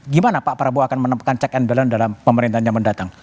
gimana pak prabowo akan menemukan check and balance dalam pemerintahan yang mendatang